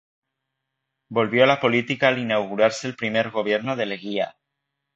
Volvió a la política al inaugurarse el primer gobierno de Leguía.